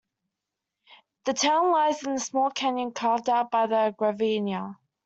The town lies in a small canyon carved out by the Gravina.